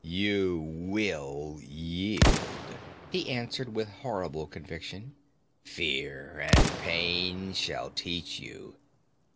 'You will yield,' he answered with horrible conviction. 'Fear and pain shall teach you.